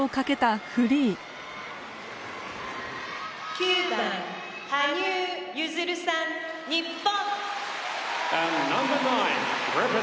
「９番羽生結弦さん日本」。